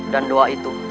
dan doa itu